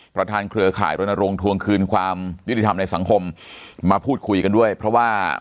เครือข่ายรณรงค์ทวงคืนความยุติธรรมในสังคมมาพูดคุยกันด้วยเพราะว่า